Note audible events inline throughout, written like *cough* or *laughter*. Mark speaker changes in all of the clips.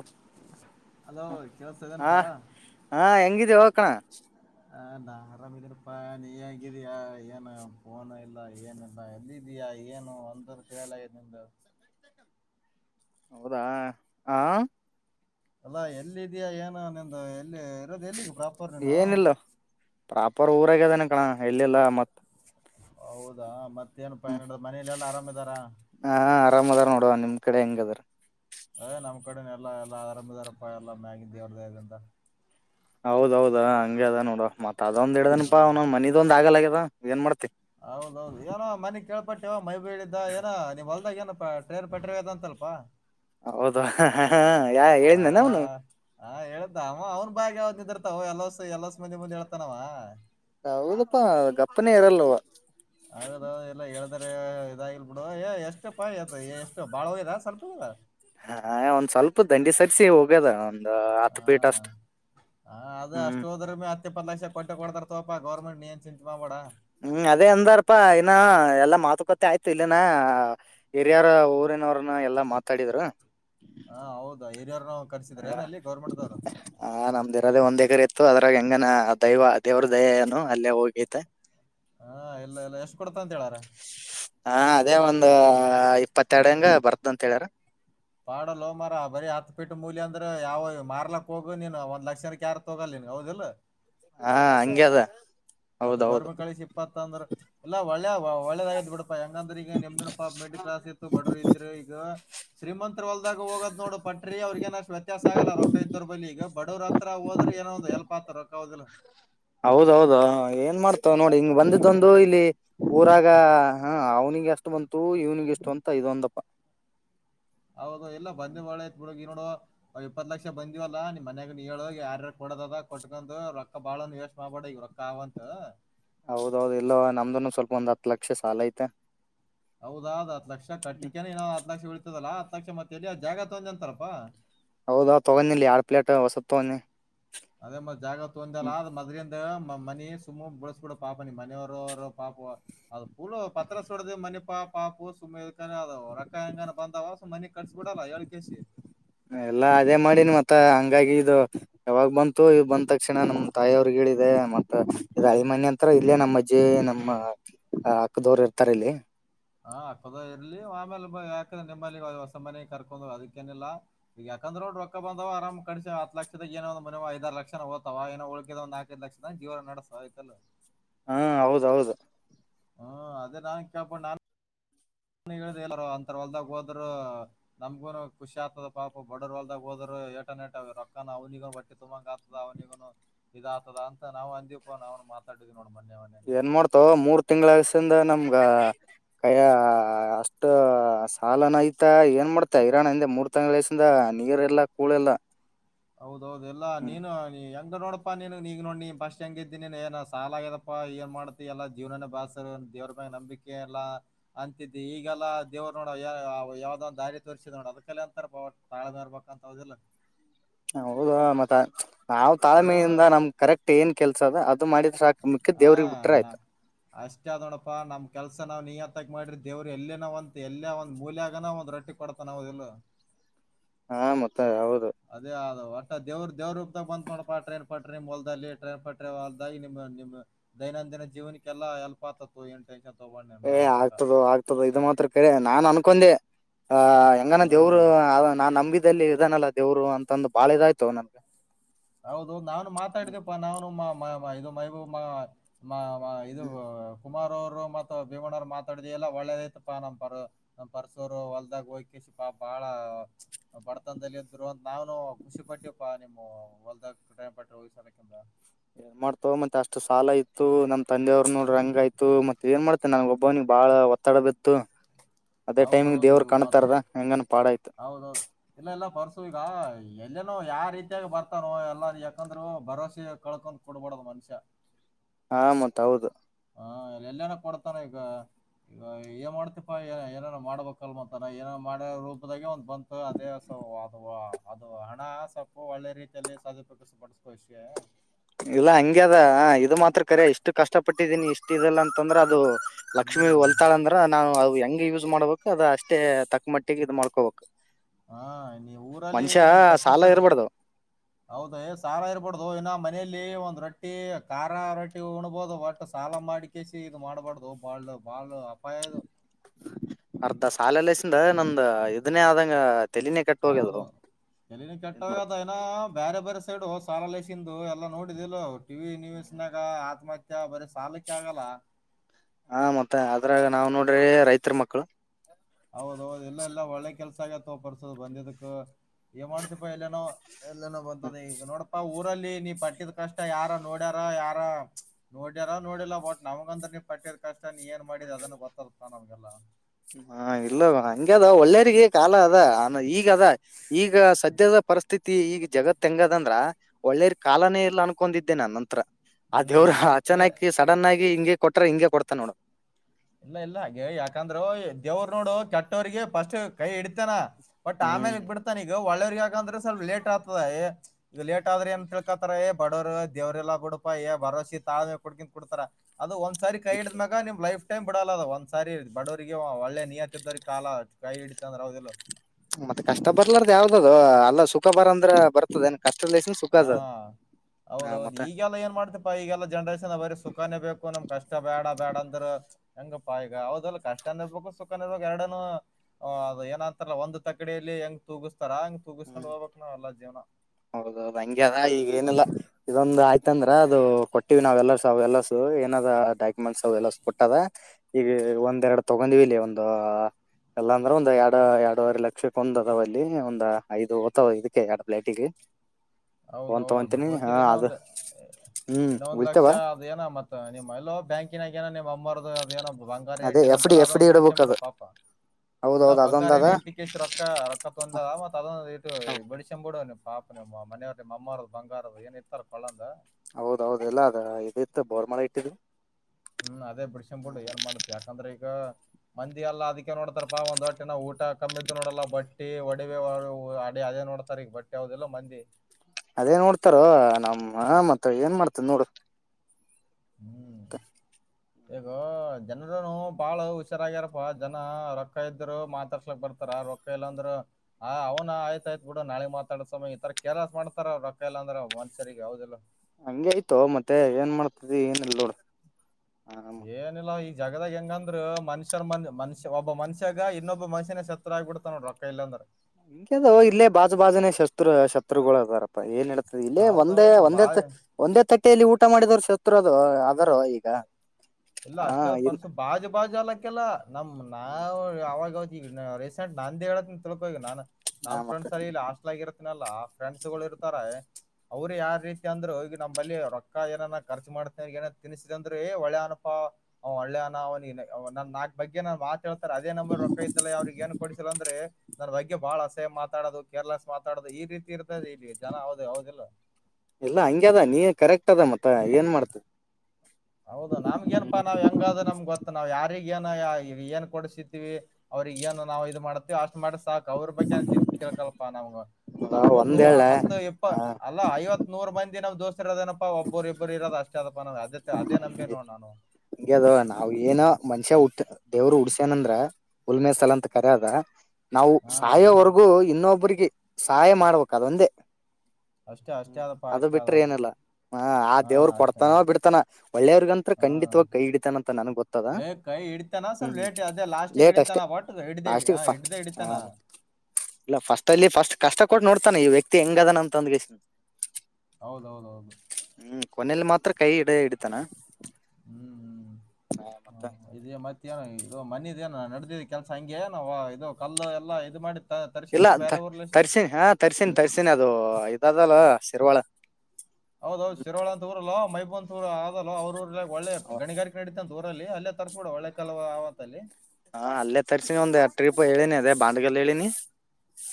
Speaker 1: *inaudible*
Speaker 2: Hello ಕೆಲಸ
Speaker 1: ಹಾ
Speaker 2: ಇದನಪ್ಪಾ
Speaker 1: ಹಾ ಹೆಂಗಿದೀ ಹೋಗಕಣ
Speaker 2: ಆ ನಾ ಆರಾಮ ಇದೀನಿ ಪಾ ಏನು ಫೋನ್ ಇಲ್ಲ ಏನ್ ಎಲ್ಲಿದ್ದೀಯಾ ಏನು ಒಂದ ತಿಳಿಯಲ ಆಗೇತಿ ನಿಂದ್
Speaker 1: ಹಾ ಹಾ
Speaker 2: ಅಲ್ಲಾ ಎಲ್ಲ ಇದಿಯಾ ಏನು ನಿಂದ್ ಎಲ್ಲಿ ಇರೋದು ಎಲ್ಲಿಗೆ ಪ್ರಾಪರ್ ನೀನು.
Speaker 1: ಏನಿಲ್ಲ ಪ್ರಾಪರ್ ಊರಾಗ್ಯದಾನ ಕಣ ಎಲ್ಲಿೆಲ್ಲ ಮತ್ತ
Speaker 2: ಹೌದಾ ಮತ್ತೇನ್ ಪಾ ಏನ್ ನಡದದ ಮನೇಲೆೆಲ್ಲಾ ಆರಾಮ್ಇದ್ದಾರ
Speaker 1: ಹಾ ಆರಾಮ ಅದಾರ ನೋಡುವ ನಿಮ್ ಕಡೆ ಹೆಂಗ ಅದರ?
Speaker 2: ಅಯ್ ನಮ್ಮ್ ಕಡೆನ ಎಲ್ಲ ಎಲ್ಲ ಅರಾಮಿದರಪ್ಪ ಎಲ್ಲ ಮ್ಯಾಗಿ ದೇವ್ರ್ದಯೆಯಿಂದ.
Speaker 1: ಹೌದೌದಾ ಹಂಗೆ ಅದ ನೋಡ ಮತ್ ಅದ ಒಂದ್
Speaker 2: ಆ,
Speaker 1: ಹಿಡ್ದನಪಾ ಅವನು ಮನಿದೊಂದ್ ಆಗಲ ಆಗಲ್ಯಾಗದ ಏನ್ ಮಾಡ್ತಿ.
Speaker 2: ಹೌದೌದು ಏನೋ ಮನ್ನೇ ಕೇಳ್ಪಟ್ಟಿವ ಮೈ ಬೀಳಿದ್ದ ಏನ ನೀವ್ ಏನಪ್ಪ ಟ್ರೇರ್ ಪಟ್ರ ಅದ ಅಂತಲ್ಪಾ.
Speaker 1: ಹೌದ ಆ ಹೇಳ್ದನನ ಅವನು?
Speaker 2: ಹ ಹೇಳ್ದ ಅವ ಅವ್ನ್ ಬಾಗ್ಯಾವ್ದ ನಿಂದಿರ್ತಾವ ಎಲ್ಲೋ ಎಲ್ಲಸ ಮಂದಿ ಮುಂದಿ ಹೇಳ್ತನಾವ.
Speaker 1: ಹೌದಪ್ಪಾ ಗಪ್ಪನೇ ಇರಲ್ವ.
Speaker 2: ಹೌದೌದ್ ಎಲ್ಲಾ ಹೇಳ್ದಾರ ಇದಾಗಿಲ್ ಬಿಡು ಏ ಎಷ್ಟಪಾ ಎಷ್ಟು ಬಾಳ ಹೋಗ್ಯಾದ ಸ್ವಲ್ಪೇ ಹೋಗ್ಯದ.
Speaker 1: ಹಾ ಒಂದ್ ಸ್ವಲ್ಪ ದಂಡಿ ಸರಿಸಿ ಹೋಗ್ಯದ.
Speaker 2: ಆ
Speaker 1: ಹತ್ತು ಫೀಟ್ ಅಷ್ಟು ಹ್ಮ್.
Speaker 2: ಇಪ್ಪತ್ ಲಕ್ಷ ಕೊಟ್ಟೆ ಕೊಡ್ತಾರ ತೋಪ ಗೌರಮೆಂಟ್ ನೀ ಏನ್ ಚಿಂತ್ ಮಾಡ್ಬೇಡ.
Speaker 1: ಹ್ಮ್ ಅದೇ ಅಂದಾರಪಾ ಇನಾ ಎಲ್ಲಾ ಮಾತು ಕತೆ ಆಯ್ತು ಇಲ್ಲಿನ. ಹಿರಿಯಾರು ಊರಿನವರನ್ನೂ ಎಲ್ಲಾ ಮಾತಾಡಿದ್ರು.
Speaker 2: ಹಾ ಹೌದ ಹಿರಿಯರನ ಕರ್ಸಿದ್ರೇನ ಅಲ್ಲಿ ಗೌರ್ಮೆಂಟ್ದವ್ರು.
Speaker 1: ಹ ನಮ್ದ ಇರೋದೇ ಒಂದ್ ಏಕರ್ ಇತ್ತು ಅದ್ರಾಗ ಹೆಂಗನ ದೈವ ದೇವ್ರ್ ದಯೆ ಏನೋ ಅಲ್ಲೇ ಹೋಗಿದ್ದೆ.
Speaker 2: ಹಾ ಇಲ್ಲ ಇಲ್ಲ ಎಷ್ಟು ಕೊಡ್ತ ಅಂತ ಹೇಳಾರ.
Speaker 1: ಹಾ ಅದೇ ಒಂದ ಇಪ್ಪತ್ತೆರಡಂಗ ಬರ್ದಂತ ಹೇಳ್ಯಾರ.
Speaker 2: ಬಾಡಲ್ಲೋ ಮರ್ಯ ಬರಿ ಹತ್ ಪೀಟ್ ಮೂಲಿ ಅಂದ್ರ ಯಾವ ಮಾರ್ಲಕ್ ಹೋಗು ನೀನ್ ಒಂದ್ ಲಕ್ಷಕ್ ಯಾರ್ ಕ್ಕೋಗಲ್ಲ ನಿನಗ ಹೌದಿಲ್ಲ.
Speaker 1: ಹಾ ಹಂಗೆ ಅದಾ.
Speaker 2: ಮತ್ತ ಗೌರ್ಮೆಂಟ್ ಕಳಿಸಿ ಇಪ್ಪತ್ತ ಅಂದ್ರ ಎಲ್ಲಾ ಒಳ್ಳೆ ಒಳ್ಳೆದಾಗೈತೆ ಬಿಡು. ಪಾ ಹೆಂಗಂದ್ರೆ ಈಗ ನಮ್ದನಪಾ ಮಿಡ್ಲ್ ಕ್ಲಾಸ್ ಇತ್ತು ಬಡ್ರರು ಇದ್ರೆ ಈಗ ಶ್ರೀಮಂತ್ ಹೊಲ್ದಾಗ ಹೋಗದ್ ನೋಡು ಪಟ್ರಿ ಅವ್ರಿಗೇನಷ್ಟ್ ವ್ಯತ್ಯಾಸ ಆಗಲ್ಲ ರೊಕ್ಕ ಇದೋರ್ ಬಳಿ ಈಗ ಬಡವರ ಹತ್ರ ಹೋದ್ರೆ ಏನೋ ಒಂದು ಹೆಲ್ಪಾತದ್ ರೊಕ್ಕ ಹೋಗಲ್ಲ.
Speaker 1: ಹೌದೌದು ಏನ್ ಮಾಡ್ತಾವ ನೋಡ್ ಹಿಂಗ್ ಬಂದಿದ್ದಂದು ಇಲ್ಲಿ. ಊರಾಗ ಹಾ ಅವ್ನಿಗೆ ಅಷ್ಟು ಬಂತು ಇವ್ನಿಗೆ ಇಷ್ಟು ಅಂತ ಇದೊಂದಪ್ಪ.
Speaker 2: ಹೌದು ಇಲ್ಲ ಬಂದಿದ್ ಒಳತ್ ಬಿಡು ನೋಡು ಆ ಇಪ್ಪತ್ ಲಕ್ಷ ಬಂದಿವಲ್ಲಾ ನಿಮ್ಮನೆಗೆ ನೀ ಹೇಳ ಯಾರ್ಯಾರ್ಗ್ ಕೊಡೋದದ ಕೊಟ್ಕೊಂಡು ರೊಕ್ಕ ಬಾಳನೂ ವೇಷ್ಟ್ ಮಾಡ್ಬೇಡ ಈಗ. *unintelligible*
Speaker 1: ಹೌದೌದು ಇಲ್ಲೋ ನಮ್ದುನು ಸ್ವಲ್ಪ ಒಂದ್ ಹತ್ ಲಕ್ಷ ಸಾಲ ಐತೆ.
Speaker 2: ಹೌದ ಅದ್ ಹತ್ ಲಕ್ಷ ಕಟ್ಟಿಕೇನೆ ಇನ್ನು ಹತ್ ಲಕ್ಷ ಬೀಳ್ತದಲ್ಲಾ ಹತ್ ಲಕ್ಷ ಮತ್ತೇಲ್ಲೀ ಜಾಗ ತೋಂದ್ಯದಲಪಾ.
Speaker 1: ಹೌದ ತಗೊಂಡಿನೀ ಆರ್ ಪ್ಲೇಟು ಹೊಸುದ್ ತಗೊಂಡಿನಿ.
Speaker 2: ಅದೇ ಮತ್ ಜಾಗ ತೊಂದಲ್ಲ ಅದ್ ಮದಗಿಂದ ಮನಿ ಸುಮ್ಮ್ ಬಳಸ್ಬೇಡ ಪಾಪ ನಿಮ್ಮನೆಯವರು ಪಾಪ *unintelligible* ರಿ ಅವು ರೊಕ್ಕ ಹೆಂಗಾರು ಬಂದವ ಮನೆಗ್ ಕಟ್ಸಿಬುಡಲ್ಲ ಏಳ್ ಕೆಸಿ.
Speaker 1: ಎಲ್ಲಾ ಅದೇ ಮಾಡಿನ ಮತ್ತ ಹಂಗಾಗಿ ಇದು ಯಾವಾಗ್ ಬಂತು ಈಗ್ ಬಂದ್ ತಕ್ಷಣ ನಮ್ ತಾಯೋರ್ಗೇಳಿದ್ದೆ ಮತ್ತ *unintelligible* ತ್ರ ಇಲ್ಲೇ ನಮ್ಮ ಅಜ್ಜಿ ನಮ್ಮ ಅಕ್ಕದೋರು ಇರ್ತಾರೆ ಇಲ್ಲಿ.
Speaker 2: ಹಾ ಅಕದೋರ್ ಇರ್ಲಿ ಆಮೇಲೆ ಬಾ ಯಾಕಂದ್ರೆ ನಿಮ್ಮಲ್ಲಿ ಹೊಸ ಮನೆ ಕರ್ಕೊಂಡ್ ಹೋಗ್ ಅದಕ್ಕೇನಿಲ್ಲಾ. ಯಾಕಂದ್ರ ರೊಕ್ಕ ಬಂದಾವ ಆರಾಮ ಕಟಸಿ ಹತ್ತ ಲಕ್ಷದ ಏನೋ ಒಂದು ಮನೆ ಐದಾರ್ ಲಕ್ಷನು ಹೋತಾವ ಇನ್ ಉಳಕಿದ ಒಂದು ನಾಲ್ಕೈದು ಲಕ್ಷ. ನಾ ಜೀವನ ನಡಸಾಯ್ತಲ.
Speaker 1: ಹಾ ಹೌದ ಹೌದು.
Speaker 2: ಹ ಅದೇ ನಾನ್ ಕೇಳ್ಕೊಂಡ ನಾ *inaudible* ಹೇಳ್ದೆ ಹಂತೋರ್ ಹೊಲ್ದಾಗ ಹೋದರು ನಮ್ಗರ ಖುಷಿ ಆತದ ಪಾಪ ಬಡವರ್ ಹೊಲ್ದಾಗ ಹೋದರ ಏಟಾನ ಎಟ್ ರೊಕ್ಕ ಅವ್ನಗ ಹೋಟ್ಟೆ ತುಂಬಂಗ ಆತ ಅವನಿಗನು ಇದ ಆತದ ಅಂತ ನಾವು ಅಂದೀವಪ ನಾವುನು ಮಾತಾಡಿದ್ವಿ ನೋಡ ಮನ್ನೆ ಅವನಿಗೆ
Speaker 1: ಏನ್ ಮಾಡ್ತೊ ಮೂರ್ ತಿಂಗಾಳಸಿಂದ ನಮ್ಗ ಎ ಅಷ್ಟ್ ಸಾಲನೈತಾ ಏನ್ ಮಾಡ್ತ ಹೈರಾಣ ಅಂದೆ ಮೂರ ಗಳಸಿಂದ ನೀರ್ ಇಲ್ಲಾ ಕೂಳಿಲ್ಲಾ
Speaker 2: ಹೌದೌದು ಇಲ್ಲಾ ನೀನು ನಿಂದ ನೋಡಪಾ ನೀನ್ ನೀಗ ನೋಡಿ ನೀ ಫಸ್ಟ್ ಹೆಂಗ ಇದಿ ನೀನ್ ಏ ಸಾಲ ಆಗದಪ್ಪಾ ಏನ್ ಮಾಡ್ತಿ ಎಲ್ಲ ಜೀವನನೇ ಬ್ಯಾಸರ್ ದೇವ ನಂಬಿಕೆ ಇಲ್ಲಾ ಅಂತಿದ್ದಿ ಈಗೆಲ್ಲ ದೇವ್ರು ನೋಡ ಯಾವ್ದೊ ದಾರಿ ತೋರಿಸಿದ್ ನೋಡ ಅದ್ ಕಲ್ಲೆ ಅಂತಾರ ಪ ತಾಳದರ್ಬೇಕಂತ ಹೌದಿಲ್ಲಾ
Speaker 1: ಹ ಹೌದೊ ಮತ್ತ ನಾವ್
Speaker 2: ದೇವ್ರು
Speaker 1: ತಾಳ್ಮೆಯಿಂದ ನಮ್ ಕರೆಕ್ಟ್ ಟ್ಟೆ ಏನ್ ಕೆಲ್ಸದ ಅದು ಮಾಡಿದ್ರ ಸಾಕ ಮಿಕ್ಕಿದ್
Speaker 2: ಹಾ
Speaker 1: ದೇವ್ರಿಗ್ ಬಿಟ್ರ
Speaker 2: ನಾ
Speaker 1: ಆಯ್ತ
Speaker 2: ಅಷ್ಟೇ ಆದ ನೋಡಪ್ಪಾ ನಮ್ ಕೆಲ್ಸ ನಾವ್ ನೀಯತ್ತಗ ಮಾಡಿರಿ ದೇವರ ಎಲ್ಲಿನ್ ಒಂದ್ ಎಲ್ಲಾ ಒಂದ್ ಮೂಲ್ಯಾಗನ ಒಂದ ರೊಟ್ಟಿ ಕೊಡ್ತ ನಾ ಹೌದಿಲ್ಲ
Speaker 1: ಹಾ ಮತ್ತ ಹೌದು
Speaker 2: ಅದೇ ಅದ್ ಒಟ್ಟ ದೇವ್ರ ದೇವ್ರರೂಪ್ದಾಗ ಬಂತ ನೋಡಪಾ ಟ್ರೈನ್ ಪಟ್ರಿ ನಿಮ್ಮ ಹೊಲ್ದಲ್ಲಿ ಟ್ರೈನ್ ಪಟ್ರಿ ಅಲ್ದ ನಿ ನಿಮ್ ದೈನಂದಿನ ಜೀವನಕ್ಕೆಲ್ಲಾ ಹೆಲ್ಪ್ ಆತದ್ ತೋಗ ಏನ್ ಟೆನ್ಷನ್ ತಗೊಂಬೇಡ ನೀನ
Speaker 1: ಏ
Speaker 2: ಅವ್ರಕ್ಕ
Speaker 1: ಆಗ್ತದ ಇದು ಮಾತ್ರ ಕರೆ ನಾನ್ ಅನ್ಕೊಂಡೆ ಆ ಹೆಂಗನ
Speaker 2: ಹ್ಮ್
Speaker 1: ದೇವ್ರು ನಾನ್ ನಂಬಿದ ಇದಲ್ಲಿ ಇದಾನಲ್ಲ ದೇವ್ರು ಅಂತ ಅಂದ ಬಾಳ ಇದಾಯ್ತೊ ನನ್ಗ
Speaker 2: ಹೌದೌದ್ ನಾನು ಮಾತಾಡಿದಪ್ಪಾ ನಾನು ಮೆಹಬೂಬ್ ಮಾವ ಮ ಮ ಇದು
Speaker 1: ಹ್ಮ್
Speaker 2: ಕುಮಾರ್ ಅವರು ಮತ್ತ ಭೀಮಣವ್ರ ಮಾತಾಡಿದಿವ ಇಲ್ಲಾ ಒಳ್ಳೇದ ಐತಪ್ಪಾ ನಮ್ ಪರ್ ನಮ್ ಪರ್ಸವರು ಹೊಲ್ದಾಗ ಹೋಗಕಿ ಪಾಪ್ ಬಾಳ ಬಡತನದಲ್ಲಿ ಇದ್ದರು ಅಂತ ನಾವುನು ಖುಷಿ ಪಟ್ಟಿಪಾ ನಿಮ್ಮ ಹೊಲದಾಗ ಟ್ರೈನ್ ಪಟ್ಟ್ರಿ ಹೋಗಿಸಲಕಿಂದ್
Speaker 1: ಏನ್ ಮಾಡ್ತವೂ ಮತ್ತ್ ಅಷ್ಟ ಸಾಲ ಇತ್ತು ನಮ್ಮ ತಂದಿವರಿಗ ನೋಡ್ರಿ ಹಂಗಾಯ್ತ ಮತ್ ಏನ್ ಮಾಡ್ತಿ ನನಗ್ ಒಬ್ಬವನಿಗೆ ಬಾಳ ಒತ್ತಡ ಬಿತ್ತು ಅದೇ ಟೈಮಿಗ್ ದೇವ್ರು ಕಣ್ಣತ್ತೆರದ್ ಹೆಂಗನ್ ಪಾಡ ಆಯ್ತು
Speaker 2: ಹೌದೌದ್ ಇಲ್ಲ ಇಲ್ಲ ಪರ್ಸು ಈಗ ಎಲ್ಲನೋ ಯಾವ ರೀತಿಯಾಗ ಬರ್ತಾರೋ ಎಲ್ಲರಿಗ ಯಾಕಂದ್ರ ಭರವಸೆ ಕಳ್ಕೊಂಡ ಬುಡಬಡದ ಮನುಷ್ಯ
Speaker 1: ಹ ಮತ್ ಹೌದು
Speaker 2: ಹಾ ಎಲ್ಯಾನ ಕೊಡ್ತಾರ ಈಗ ಈಗ ಏನ್ ಮಾಡ್ತಿಪಾ ಏ ಏನ ಮಾಡ್ಬೇಕಲ್ ಮತಾನ ಏನ ಮಾಡ ರೂಪದಾಗೆ ಒಂದ್ ಬಂತ ಅದೇ ಹೊಸ ಅದು ಅದು ಹಣ ಸೊಪ್ಪು ಒಳ್ಳೆ ರೀತಿಯಲ್ಲಿ ಸಾಧ್ಯ *unintelligible*
Speaker 1: ಇಲ್ಲಾ ಹಂಗೆ ಅದ ಇದು ಮಾತ್ರ ಕರೆ ಇಷ್ಟ ಕಷ್ಟ ಪಟ್ಟಿದ್ದೀನಿ ಇಷ್ಟದಿಲ್ಲ ಅಂತಂದ್ರ ಅದು ಲಕ್ಷ್ಮೀ
Speaker 2: ಹ್ಮ್
Speaker 1: ಹೊಲ್ತಾಳ ಅಂದ್ರ ನಾವು ಅವು ಹೆಂಗ ಯೂಸ್ ಮಾಡ್ಬೇಕು ಅದ ಅಷ್ಟೇ ತಕ್ಮಟ್ಟಿಗೆ ಇದ್ ಮಾಡ್ಕೋಬೇಕು
Speaker 2: ಹಾ ನೀ ಊರಲ್ಲಿ
Speaker 1: ಮನುಷ್ಯ
Speaker 2: ನೀನ್
Speaker 1: ಸಾಲ
Speaker 2: ಕಷ್ಟಪಡಿ
Speaker 1: ಇರ್ಬಾರ್ದು
Speaker 2: ಹೌದೆ ಸಾಲ ಇರ್ಬಡ್ದ ಇನ್ನ ಮನೇಲಿ ಒಂದ್ ರೊಟ್ಟಿ ಖಾರ ರೊಟ್ಟಿ ಉಣ್ಬೂದು ಒಟ್ಟು ಸಾಲ ಮಾಡಿ ಕೆಸಿ ಇದ್ ಮಾಡ್ಬಾರ್ದು ಬಾಳ ಬಾಳ ಅಪಾಯದು
Speaker 1: ಅರ್ಧ ಸಾಲಲ್ಲೆಸಿಂದ ನಂದ್ ಇದನೇ ಆದಂಗ ತಲಿನೇ ಕಟ್ಟ ಹೋಗ್ಯದು
Speaker 2: ಹೌದು ತೆಲಿನೆ
Speaker 1: ಏನ್ ಮಾಡ್ತ
Speaker 2: ಕೆಟ್ಟೂಗ್ಯದ್ ಬ್ಯಾರ್ ಬ್ಯಾರ್ ಸೈಡೂ ಸಾಲಲಾಸಿಂದು ಎಲ್ಲಾ ನೋಡಿದ ಇಲ್ ಟಿವಿ ನ್ಯೂಸ್ ನಾಗ ಆತ್ಮಹತ್ಯೆ ಹತ್ಯ ಬರೇ ಸಾಲಕ್ಕೆ ಆಗಲ್ಲ
Speaker 1: ಹಾ ಮತ್ತೆ ಅದ್ರಾಗ ನಾವ್ ನೋಡ್ರೆ ರೈತರ ಮಕ್ಕಳು
Speaker 2: ಹೌದೌದು ಇಲ್ಲಿಲ್ಲಾ ಒಳ್ಳೆ ಕೆಲ್ಸ ಆಗ್ಯದತೊ ಪರ್ಸು ಬಂದಿದಕ್ ಏನ್ ಮಾಡ್ತಿಪಾ ಎಲ್ಲನೋ ಎಲ್ಲಾನ ಬಂತದೆ ಈಗ ನೋಡಪ್ಪಾ ಊರಲ್ಲಿ ನೀ ಪಟ್ಟಿದ್ ಕಷ್ಟ ಯಾರ ನೋಡ್ಯಾರ ಯಾರ ನೋಡ್ಯಾರ ನೋಡಿಲ್ಲ ಬಟ್ ನಮ್ಗಂದ್ರ ನೀ ಪಟ್ಟಿರ್ ಕಷ್ಟ ನೀ ಏನ್ ಮಾಡಿದಿ ಅದನ್ನ ಗೊತ್ತತ್ತಾ ನಮ್ಗೆಲ್ಲಾ.
Speaker 1: ಹಾ ಇಲ್ಲ ಹಂಗ ಅದ ಒಳ್ಳೆಯರಿಗೆ ಕಾಲ ಅದ ಈಗ ಅದ. ಈಗ ಸದ್ಯದ ಪರಿಸ್ಥಿತಿ ಈಗ ಜಗತ್ ಹೆಂಗದಂದ್ರ. ಒಳ್ಳೇರಗ್ ಕಾಲನೇ ಇಲ್ಲ ಅನ್ಕೊಂಡಿದ್ದೆ ನನ್ನ ನಂತ್ರ. ಅ
Speaker 2: ಹ್ಮ್
Speaker 1: ದೇವ್ರು
Speaker 2: ಇಲ್ಲ
Speaker 1: ಆಚನ್ನಕಿ ಸಡನ್ ಆಗಿ ಹಿಂಗೆ ಕೊಟ್ರೇ ಹಿಂಗೆ ಕೊಡ್ತಾ ನೋಡು.
Speaker 2: ಇಲ್ಲ ಇಲ್ಲ ಹಾಗೆ ಯಾಕಂದ್ರು ದೇವರು ನೋಡು ಕೆಟ್ಟವಿಗೆ ಫಸ್ಟ್ ಕೈ ಇಡಿತಾನಾ. ಬಟ್ ಆಮೇಲೆಗ
Speaker 1: ಹ್ಮ್
Speaker 2: ಬಿಡ್ತಾನ ಈಗ ಒಳ್ಳೆಯವಿಗೆ ಆಗಂದ್ರೆ ಸ್ವಲ್ಪ ಲೇಟ್ ಆಗ್ತದ ಹೇ. ಈಗ ಲೇಟ್ ಆದ್ರೆ ಏನ್ ತಿಳ್ಕತಾರ ಏ ಬಡವರು ದೇವ್ರಲ್ಲಾ ಬಿಡುಪಾ ಭರೋಸೆ ತಾಳ್ಮೆ ಕುಡ್ಕಿಂದ ಕುಡ್ತಾರ. ಅದು ಒಂದ್ ಸಾರಿ ಕೈ ಹಿಡ್ದ ಮ್ಯಗ ನಿಮ್ ಲೈಫ್. ಟೈಮ್ ಬಿಡೋಲ್ಲ ಅದು ಒಂದ್ ಸಾರಿ ಬಡವರಿಗೆ ಒಳ್ಳೆ ನಿಯತ್ ಇದ್ದೋರಿಗ್ ಕಾಲ ಕೈ ಹಿಡಿತ ಅಂದ್ರ ಹೌದಿಲ್ಲೋ.
Speaker 1: ಮತ್ತೆ ಕಷ್ಟ ಬರ್ಲಾರ್ದ ಯಾವ್ದದು ಅಲ್ಲ ಸುಖ ಬರ ಅಂದ್ರೆ ಬರ್ತದೇನ್. Custard licence.
Speaker 2: ಹಾ ಹೌದೌದು ಈಗೆಲ್ಲ ಏನ್ ಮಾಡ್ತಿ *unintelligible* ಪ್ಪ ಈಗೆಲ್ಲ ಜನ್ರೇಷನ್ ಬರೀ ಸುಖನೇ ಬೇಕು ನಮ್ ಕಷ್ಟ ಬೇಡ ಬೇಡ ಅಂತರೇ. ಹೆಂಗಪ್ಪ ಈಗ ಹೌದಲ್ಲಾ ಕಷ್ಟನು ಇರ್ಬೇಕು ಸುಖನು ಇರ್ಬೇಕು ಎರಡನು. ಹೊ ಅದು ಏನಂತಾರಲ್ಲ ಒಂದು ತಗಡಿಯಲ್ಲಿ ಹೆಂಗ್ ತೂಗುಸ್ತರಾ ಹಂಗ್
Speaker 1: ಹ್ಮ್
Speaker 2: ತೂಗಸ್ಕೊಂಡ್ ಹೋಗ್ಬೇಕ್ ನಾವ ಎಲ್ಲ ಜೀವನ.
Speaker 1: ಹೌದೌದು ಹಂಗ್ಯದ ಈಗ ಏನಲ್ಲ. ಇದೊಂದು ಆಯ್ತ ಅಂದ್ರ ಅದು ಕೊಟ್ಟಿವಿ ನಾವ್ ಎಲ್ಲ ಎಲ್ಲಸು ಏನದ ಡಾಕ್ಯುಮೆಂಟ್ಸ್ ಎಲ್ಲ ಕೊಟ್ಟದ. ಈಗ ಒಂದೆರಡು ತೋಂಬಂದೀವಿ ಇಲ್ಲೀ ಒಂದು. ಎಲ್ಲಾ ಅಂದ್ರು ಒಂದ್ ಎರಡು ಎರಡೂವರೆ ಲಕ್ಷಕ್ಕ ಒಂದ ಅದಾವ್ ಅಲ್ಲಿ ಒಂದು. ಐದು ಹೊತವ ಇದಕ್ಕೆ ಎರಡು ಪ್ಲೇಟಿಗೆ. ಒಂದ್
Speaker 2: ಹೌದೌದು ಮತ್ತ
Speaker 1: ತಗೊಂತೀನಿ ಹಾ
Speaker 2: ಹುಳ್ಕಿದ ಇನ್ನೋ
Speaker 1: ಅದು
Speaker 2: ಒಂದು
Speaker 1: ಹ್ಮ್
Speaker 2: ಇನ್ನೋ ಒಂದ್ ಲಕ್ಷ.
Speaker 1: ಉಳಿತಾವ
Speaker 2: ಅದ ಏನ ಮತ್ತ ನಿಮ್ಮ್ ಎಲ್ಲೋ ಬ್ಯಾಂಕಿನಾಗ ಏನ ನಿಮ್ಮ್ ಅಮ್ಮರ್ದು ಅದ ಏನೋ ಬಂಗಾರ
Speaker 1: ಅದೇ ಎಫ್ ಡಿ
Speaker 2: ಇಟ್ಟಿದಂತಲ್ಲ
Speaker 1: ಎಫ್ ಡಿ
Speaker 2: ಅದೊಂದ್ ಬಿಡಸ್ಕೋಂ
Speaker 1: ಇಡ್ಬೇಕ
Speaker 2: ಬಿಡು
Speaker 1: ಅದು
Speaker 2: ಪಾಪ ಇಲ್ಲ
Speaker 1: ಹೌದೌದು ಅದೊಂದ ಅದ
Speaker 2: ಬಂಗಾರನ ಇಟ್ಟಿಕೇಶ್ ರೋಕ್ ರಕ್ಕ ರೊಕ್ಕ ತೊಂದ ತದ ಮತ್ ಅದೊಂದ್ ಇದು ಬಿಡುಸ್ಕೋಂಬಿಡು ಪಪ ನಿಮ್ಮ ಮನೆಯವ್ರು. ನಿಮ್ ಅಮ್ಮಾರದು ಬಂಗಾರದ ಏನ್ ಇತಾರ ಕೋಳ್ಳಗ.
Speaker 1: ಹೌದೌದು ಎಲ್ಲಾ ಅದು ಇದಿತ್ತು ಬೋರ್ಮಳ ಇಟ್ಟಿದ್.
Speaker 2: ಹ್ಮ್ ಅದೇ ಬಿಡ್ಶನ್ ಬಿಡು ಏನ್ ಮಾಡ್ತಿ ಯಾಕಂದ್ರೆ ಈಗ. ಮಂದಿ ಎಲ್ಲಾ ಅದಕ್ಕೆ ನೋಡ್ತಾರಪ್ಪಾ ಒಂದ್ ಹೊಟ್ಟೆ ನ ಊಟ ಕಮ್ಮಿದ್ದು ನೋಡಲ್ಲ ಬಟ್ಟಿ ಒಡಿವೆ ಅಡಿ ಅದೇ ನೋಡ್ *unintelligible* ಬಟ್ಟೆ ಯಾವ್ದದೆಲ್ಲ ಮಂದಿ.
Speaker 1: ಅದೇ ನೋಡ್ತಾರೊ ನಮ್ಮ್ ಮತ್ತ ಏನ್ ಮಾಡ್ತೀದ್ ನೋಡು.
Speaker 2: ಹ್ಮ್
Speaker 1: ಮತ್ತೇ.
Speaker 2: ಈಗ ಜನರುನು ಬಾಳ ಹುಷಾರಾಗ್ಯಾರಪ್ಪ ಜನ ರೊಕ್ಕ ಇದರು ಮಾತಾಡ್ಸ್ಲಕ್ ಬರ್ತಾರ ರೊಕ್ಕ್ ರೋಕ್ಕಿಲ್ಲ ಅಂದ್ರ. ಹ ಅವ್ನ ಆಯ್ತಾ ಆಯ್ತ್ ಬಿಡು ನಾಳೆ ಮಾತಾಡಸಮ ಈ ತರ ಕೆರ್ಲೆಸ್ ಮಾಡ್ತಾರ ರೊಕ್ಕ ಇಲ್ಲ ಅಂದ್ರೆ ಮನುಷ್ಯರಿಗೆ ವೌದಿಲ್ಲೋ.
Speaker 1: ಹಂಗೆ ಆಯ್ತೋ ಮತ್ತೆ ಏನ್ ಮಾಡ್ತೀದಿ ಏನಿಲ್ ನೋಡ್.
Speaker 2: ಎನ್ ಈ ಜಗದ ಹೆಂಗಂದ್ರ ಮನುಷ್ಯರ ಮ ಮನುಷ್ಯ ಒಬ್ಬ ಮನುಷ್ಯಾಗ ಇನ್ನೊಬ್ಬ ಮನುಷ್ಯನೇ ಶತ್ರು ಆಗ್ಬೀಡ್ತಾನೋಡಾಕ್ *unintelligible* ಇಲ್ಲ ಅಂದ್ರೇ.
Speaker 1: ಹೆಂಗೋ ಇಲ್ಲೇ ಬಾಜು ಬಾಜುನೇ ಶಸ್ತ್ರು ಶತ್ರುಗಳದಾರ. ಏನ್ ಹೇಳ್ತದೆ ಇಲ್ಲಿ ಒಂದೇ
Speaker 2: ಹೌದೌದು
Speaker 1: ಒಂದೇ
Speaker 2: ಬಾಳ
Speaker 1: ತಕ್ ಒಂದೇ ತಟ್ಟೆಯಲ್ಲಿ ಊಟ ಮಾಡಿದವ್ರ ಶತ್ರದೂ ಅದರೊ ಈಗ.
Speaker 2: ಇಲ್ಲ
Speaker 1: ಹ
Speaker 2: ಅಷ್ಟಾದ್
Speaker 1: ಇಲ್
Speaker 2: ಪರ್ಸು ಬಾಜು ಬಾಜು ಅಲಕಿಲ್ಲ ನಮ್ ನಾವ ಅವಗೋತೀವ್ ಇನ ರೀಸೆಂಟ್ ನಂದೇ ಹೇಳತಿನ್ ತಿಳಿಕೋ ಈಗ ನಾನು.
Speaker 1: ಹ
Speaker 2: ನಮ್
Speaker 1: ಮತ್ತ
Speaker 2: ಫ್ರೆಂಡ್ಸ್ ಅಲ್ಲಿ ಇಲ್ಲಿ ಹಾಸ್ಟ್ಲ್ ಆಗಿರ್ತನಲ ಫ್ರೆಂಡ್ಸ್ ಗೊಳ ಇರ್ತರೆ. ಅವ್ರ್ ಯಾ ರೀತಿ ಅಂದ್ರು ಈಗ ನಂಬಲ್ಲಿ ರೊಕ್ಕ ಏನನ ಕರ್ಚ್ ಮಾಡತ್ ಏನನ ತಿನ್ಸಿದಂದ್ರ್ ಏ ಒಳ್ಳೇವ್ನ್ ಆನಪ್. ಹಾ ಅವ ಹಳ್ಳೇನವ್ ನಿ ನನ್ ನಾಕ್ ಬಗ್ಗೆ ನನ್ ಮಾತ್ ಹೇಳ್ತಾರೆ ಅದೇ ನಂಬರ್ ರೊಕ್ಕ ಇದ್ದಲ್ಲ ಅವ್ರಿಗ ಏನ್ ಕೊಡಿಸಿಲ್ಲ ಅಂದ್ರೆ ನನ್ನ ಬಗ್ಗೆ ಬಹಳ ಅಸೇ ಮಾತಾಡೋದು ಕೇರ್ಲೆಸ್ ಮಾತಾಡೋದು ಈ ರೀತಿ ಇರ್ತದೆ ಇಲ್ಲಿ ಜನ ಹೌದು ಹೌದಿಲ್ಲಾ
Speaker 1: ಇಲ್ಲ ಹಂಗಗೆ ಅದ ನೀ ಕರೆಕ್ಟ್ ಅದ ಮತ್ತ ಏನ್ ಮಾಡ್ತ
Speaker 2: ಹೌದು ನಮ್ಗ ಏನಪಾ ನಾವ್ ಹೆಂಗದು್ ನಮ್ಗ ಗೊತ್ತ ನಾವ್ ಯಾರಿಗ ಏ ಈಗ ಏನ್ ಕೊಡ್ಸತಿೀವಿ ಅವ್ರಿಗೆಗಏನು ನಾವು ಇದು ಮಾಡತೇವಿ ಅಷ್ಟ್ ಮಾಡ್ರ ಸಾಕು ಅವ್ರ ಬಗ್ಗೆ ತಿಳ್ಕಲ್ಪಾ ನಮಗ ನಮಗು ನೂ
Speaker 1: ಒಂದ್ ಹೇಳ
Speaker 2: ಹತ್ತು ಇಪ್ಪ
Speaker 1: ಹ
Speaker 2: ಅಲ್ಲ ಐವತ್ರು ಮಂದಿ ನಾವ್ ದೋಸ್ತಿರೋನಪ್ಪ ಒಬ್ಬ ಇಬ್ರುರೋದ ಅಷ್ಟ ಅಪ್ಪನ ಮ ಅದೇ ನಂಬೆನು ನಾನು
Speaker 1: ಹಂಗಗೆ ಅದು ನಾವ್ ಏನ ಮನ್ಷ್ಯ ಉಟ್ಟ ದೇವರು ಉಡ್ಸ್ಯನಂದ್ರ ಒಂದೇ ಸಲ ಅಂತ ಕರ ಅದ ನಾವು
Speaker 2: ಹಾ
Speaker 1: ಸಹಾಯೋವರ್ಗೂ ಇನ್ನೊಬ್ರರಿಗೆ ಸಹಾಯ ಮಾಡ್ಬೇಕ ಅದ ಒಂದೇ
Speaker 2: ಅಷ್ಟೇ ಅಷ್ಟೇ
Speaker 1: ಹ್ಮ್
Speaker 2: ಅದಪ್ಪ
Speaker 1: ಅದು
Speaker 2: ಅಷ್ಟೇ ಅದ
Speaker 1: ಬಿಟ್ರ ಏನಿಲ್ಲ ಹ ಆ
Speaker 2: ಹಾ
Speaker 1: ದೇವರು
Speaker 2: ಅಷ್ಟೇ
Speaker 1: ಕೊಡ್ತಾನ ಬಿಡ್ತಾನ ಒಳ್ಳೆಯವರ್ಗಂತ್ರ
Speaker 2: ಹಾ
Speaker 1: ಖಂಡಿತವಾಗಿ ಕೈ ಹಿಡಿತಾನಂತ ನನ್ಗ್ ಗೊತ್ತದ
Speaker 2: ಏ ಕೈ ಹಿಡಿತಾನ ಸ್ವಲ್ಪ ಲೇಟ್ ಅದೇ ಲಾಸ್ಟಿಗೆ
Speaker 1: ಲೇಟ್
Speaker 2: ಹಿಡಿತಾನ
Speaker 1: ಅಷ್ಟೇ
Speaker 2: ಒಟ್ಟು ಹಿಡ್ದೆ
Speaker 1: ಲಾಸ್ಟಿಗ್
Speaker 2: ಹಾ
Speaker 1: ಸಾ
Speaker 2: ಹಿಡ್ದೆ ಹಿಡಿತಾನ
Speaker 1: ಹು. ಇಲ್ಲ ಫಸ್ಟ್ ಅಲ್ಲಿ ಫಸ್ಟ್ ಕಷ್ಟ ಕೊಟ್ಟು ನೋಡ್ತಾನ ಈ ವ್ಯಕ್ತಿ ಹೆಂಗ ಅದನ ಅಂತಂದ್
Speaker 2: ಹೌದೌದೌದ.
Speaker 1: ಕೊನೆಯಲ್ಲಿ ಮಾತ್ರ ಕೈ ಇಡೆ ಇಡಿತಾನ. ಹಾ ಮತ್ತೆ.
Speaker 2: ಇದೆ ಮತ್ತೇನ್ ಮನಿದ್ ಎನ್ ನಡದಿದ್ ಕೆಲ್ಸ ಹಂಗೆ ಎನ್ ಇದು ಕಲ್ಲಾ ಎಲ್ಲ ಇದು ಮಾಡಿದ್
Speaker 1: ಇಲ್ಲ ತ ತರ್ಸಿನಿ ಹಾ ತರ್ಸಿನ್ ತರ್ಸಿನ್ ಅದು ಇದದಲ ಸಿರ್ವಳ.
Speaker 2: ಹೌದೌದ್ ಶಿರ್ವಳ ಅಂತ್ ಊರದಲ್ಲೊ ಮೈಬು ಅಂತುರ್ ಆದಲ್ಲೊ ಅವ್ರ್ ಊರಲ್ಲಿ ಒಳ್ಳಿ ಗಣಿಗಾರಿಕ್. ನಡಿತಂತ್ ಊರಲ್ಲಿ ಅಲ್ಲೆ ತರ್ಸಿಬಿಡು ಒಳ್ಳೆ ಕಲ್ಲವು ಆವಂತಲ್ಲಿ.
Speaker 1: ಹಾ ಅಲ್ಲೇ ತರ್ಸಿನಿ ಒಂದ್ ಎರಡ್ ಟ್ರಿಪ್ ಹೇಳಿನಿ ಅದೇ ಬಾಂಡಗಲ್ ಹೇಳಿನಿ.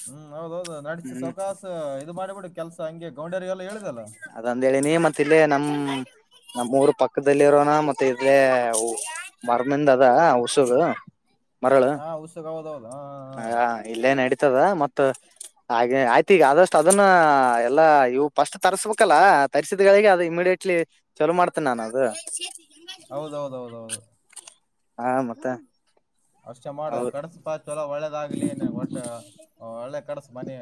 Speaker 2: ಹ್ಮ್ ಹೌದೌದು ನಡ್ಸಿ
Speaker 1: ಹ್ಮ್
Speaker 2: ಸ್ವಕಾಸ ಇದು ಮಾಡ್ಬಿಡು ಕೆಲಸ ಹಂಗೆ ಗೌಂಡೆರಿಗ್ ಎಲ್ಲ ಹೇಳಿದಲಾ.
Speaker 1: ಅದಂದೇಳಿನಿ ಮತ್ ಇಲ್ಲೇ ನಮ್ ನಮ್ಮೂರ್ ಪಕ್ಕದಲ್ಲಿರೋನ ಮತ್ ಇಲ್ಲೇ ಹು. ಮರ್ಣಿಂದ ಅದ ಹುಸಗ ಊರು
Speaker 2: ಹಾ ಉಸುಗ್ ಹೌದೌದ ಹ.
Speaker 1: ಇಲ್ಲೇ ನಡೀತದ ಮತ್ತ ಹಾಗೆ ಆಯ್ತು ಈಗ ಆದಷ್ಟು ಅದನ್ನ ಎಲ್ಲಾ ಇವ್ ಫಸ್ಟ್ ತರ್ಸ್ಬೇಕಲ್ಲ ತರ್ರಿಸಿದ್ಗಳಿಗೆ ಅದು ಇಮಿಡಿಯೇಟ್ಲಿ ಚಲೋ ಮಾಡ್ತೇನ ನಾನು ಅದು.
Speaker 2: ಹೌದೌದೌದ ಹೌದು
Speaker 1: ಹಾ ಮತ್ತೆ
Speaker 2: ಅಷ್ಟೇ ಮಾಡೋದು
Speaker 1: ಹೌದು
Speaker 2: ಕಡಸುಪಾ ಚಲೋ ಒಳ್ಳೇದಾಗ್ಲಿ ಒಟ್ಟ ಹ ಒಳ್ಳೆ ಕಡಸು ಮನಿ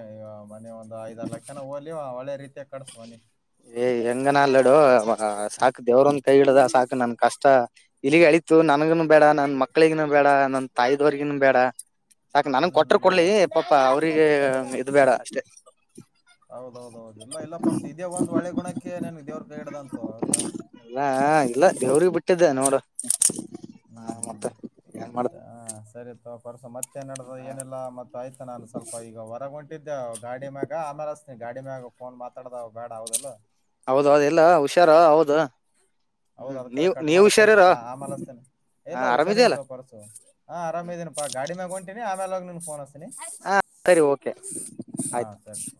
Speaker 2: ಮನಿ ಒಂದ್ ಐದಾರ ಲಕ್ಷನ ಹೋಗ್ಲಿ ಒಳ್ಳೆ ರೀತಿಯ ಕಡಸು ಮನಿ.
Speaker 1: ಏ್ ಹೆಂಗ ಅಲ್ಲಡು ಸಾಕು ದೇವ್ರೊಂದ ಕೈ ಇಿಡ್ದ ಸಾಕು ನನ್ ಕಷ್ಟ ಇಲ್ಲಿಗೆ ಅಳಿತು ನನ್ಗನು ಬೇಡ ನನ್ ಮಕ್ಳಿಗನು ಬೇಡ ನನ್ ತಾಯಿದವರಿಗನು ಬೇಡ ಸಾಕ ನನ್ನ್ ಕೊಟ್ರ
Speaker 2: ಹ್ಮ್
Speaker 1: ಕೊಡ್ಲಿ
Speaker 2: ಹೌದು
Speaker 1: ಪಾಪ್ಪ ಅವ್ರಿಗೆ ಇದದು ಬೇಡ ಅಷ್ಟೇ.
Speaker 2: ಹೌದೌದೌದು ಇಲ್ಲ ಇಲ್ಲ ಪರ್ಸು ಇದೇ ಒಂದ ಒಳ್ಳೆ ಗುಣಕ್ಕೆ ನಿನಗ್ ದೇವ್ರ ಕೈ ಇಡುದನ ತಗೋ ಆಯತಾ.
Speaker 1: ಇಲ್ಲ ಇಲ್ಲ ದೇವ್ರಿಗೆ ಬಿಟ್ಟಿದ್ದೆ ನೋಡು.
Speaker 2: ಹ್ಞೂ
Speaker 1: ಹ
Speaker 2: ಹ್ಞೂ
Speaker 1: ಮತ್ತ ಏನ್ ಮಾಡ
Speaker 2: ಸ ಹಾಂ ಸರಿ ತವಾ ಪರ್ಸ ಮತ್ತೆ ಮತ್ತೆನ್ ನಡದ ಏನೆಲ್ಲ ಮತ್ತೆ ಆಯ್ತಾ ನಾನು ಸ್ವಲ್ಪ ಈಗ ಹೊರಗೊಂಟ್ ಬಿಟ್ಟಿದ್ದೆವು ಗಾಡಿ ಮ್ಯಾಗ ಆಮ್ಯಾಲ್ ಆಸ್ಟಿನ್ ಗಾಡಿ ಮ್ಯಾಗ ಫೋನ್ ಮಾತಾಡ್ದಾವ್ ಬೇಡ ಹೌದಿಲ್ಲೊ
Speaker 1: ಹೌದ ಎಲ್ಲ ಹುಷಾರ ಹೌದು.
Speaker 2: ಹೌದ
Speaker 1: ಹ್ಮ್
Speaker 2: ಅದ್ ಕಡೆ
Speaker 1: ನೀವ್
Speaker 2: ಕಟ್
Speaker 1: ನೀವ್
Speaker 2: ಮಾಡ್ತೇನೆ
Speaker 1: ಹುಷಾರಿರ
Speaker 2: ಸ್ವಲ್ಪ ಆಮಲಸ್ತೇನೆ
Speaker 1: ಹ
Speaker 2: ಎಲ್ಲಾ ಹುಷಾರಿ
Speaker 1: ಆರಾಮಿದೆಯಲ್ಲ
Speaker 2: ಅಂತ ಪರ್ಸು. ಹಾ ಆರಾಮ ಇದೀನ್ಪ ಗಾಡಿಮ್ಯಾಲ ಹೊಂಟಿನಿ ಆಮೇಲೆ ನ ನಿನ್ ಫೋನ್ ಅಸ್ಟಿನ್.
Speaker 1: ಹ ಸರಿ ಓಕೆ
Speaker 2: ಹಾ
Speaker 1: ಆಯ್ತು
Speaker 2: ಸರಿ